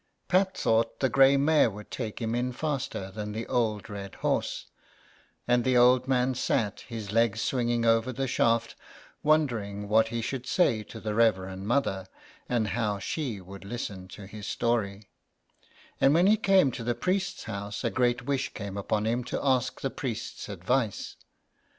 Pat thought the grey mare would take him in faster than the old red horse ; and the old man sat, his legs swinging over the shaft, wondering what he should say to the Reverend Mother, and how she would listen to his story ; and when he came to the priest's house a great wish came upon him to ask the priest's advice.